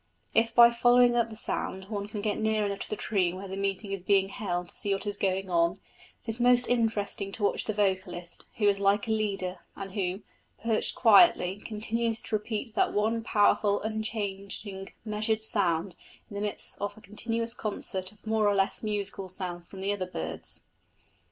If by following up the sound one can get near enough to the tree where the meeting is being held to see what is going on, it is most interesting to watch the vocalist, who is like a leader, and who, perched quietly, continues to repeat that one powerful, unchanging, measured sound in the midst of a continuous concert of more or less musical sounds from the other birds.